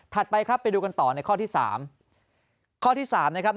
ถัดไปครับไปดูกันต่อในข้อที่๓ข้อที่๓ครับ